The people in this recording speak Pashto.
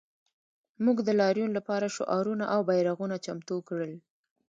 موږ د لاریون لپاره شعارونه او بیرغونه چمتو کړل